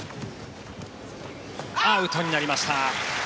アウトになりました。